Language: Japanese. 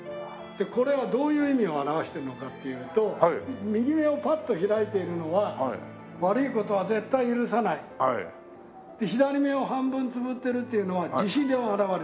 これはどういう意味を表しているのかっていうと右目をパッと開いているのは悪い事は絶対許さないで左目を半分つむってるっていうのは慈悲の表れですね。